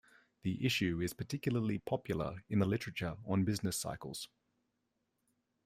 The issue is particularly popular in the literature on business cycles.